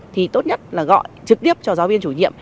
thì tốt nhất là gọi trực tiếp cho giáo viên chủ nhiệm